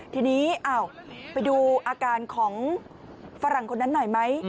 ทีนี้ไปดูอาการของฝรั่งคนนั้นหน่อยไหม